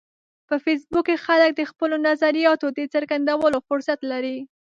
په فېسبوک کې خلک د خپلو نظریاتو د څرګندولو فرصت لري